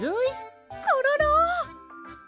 コロロ！